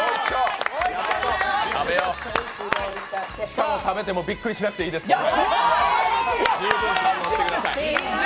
食べよう、しかも食べてもびっくりしなくていいですからね。